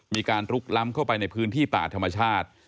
มีการลุกล้ำเข้าไปในพื้นที่ป่าธรรมชาติ